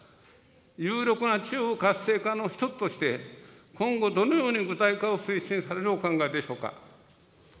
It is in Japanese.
有力な地方活性化の一つとして、今後どのように具体化を推進されるお考えでしょうか。